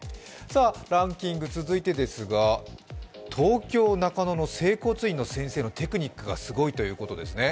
ランキング、続いてですが東京・中野の整骨院の先制のテクニックがすごいということです。